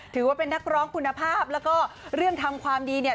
ถือว่าเป็นนักร้องคุณภาพแล้วก็เรื่องทำความดีเนี่ย